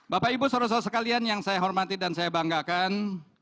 bapak ibu saudara saudara sekalian yang saya hormati dan saya banggakan